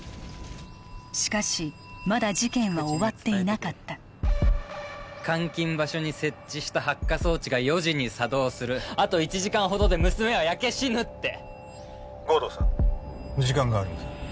しかしまだ事件は終わっていなかった監禁場所に設置した発火装置が４時に作動するあと１時間ほどで娘は焼け死ぬって護道さん時間がありません